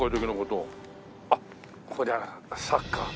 あっこりゃサッカー。